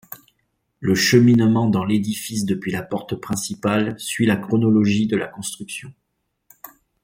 Le cheminement dans l'édifice depuis la porte principale suit la chronologie de la construction.